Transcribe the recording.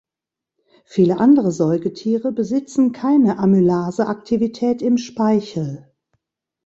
Viele andere Säugetiere besitzen keine Amylase-Aktivität im Speichel.